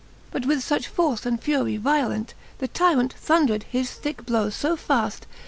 But with fuch force and furie violent, The tyrant thundred his thicke blowes fb faft.